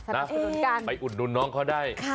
สำเร็จกันนะไปอุดดูดน้องเขาได้